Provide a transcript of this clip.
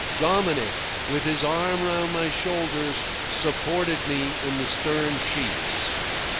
Dominic, with his arm round my shoulders, supported me in the stern sheets.